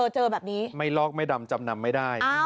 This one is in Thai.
เจอแบบนี้ไม่ลอกไม่ดำจำนำไม่ได้